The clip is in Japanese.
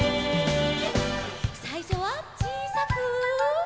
さいしょはちいさく。